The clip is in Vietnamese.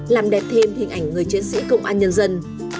làm đẹp thêm hình ảnh người chiến sĩ công an nhân dân